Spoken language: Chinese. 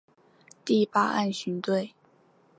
第八岸巡队